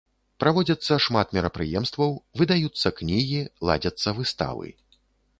Праводзяцца шмат мерапрыемстваў, выдаюцца кнігі, ладзяцца выставы.